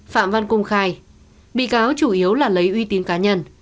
phạm văn công khai bị cáo chủ yếu là lấy uy tín cá nhân